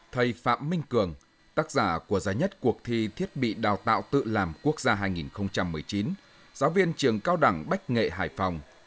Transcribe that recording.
thầy phạm minh cường tác giả của giá nhất cuộc thi thiết bị đào tạo tự làm quốc gia hai nghìn một mươi chín giáo viên trường cao đẳng bách nghệ hải phòng